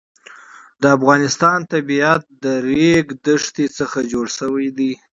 د افغانستان طبیعت له د ریګ دښتې څخه جوړ شوی دی.